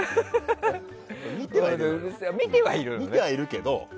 見てはいるけど。